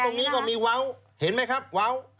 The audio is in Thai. แล้วตรงนี้ก็มีเว้าเห็นไหมครับเว้า